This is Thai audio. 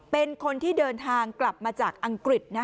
เป็นคนที่เดินทางกลับมาจากอังกฤษ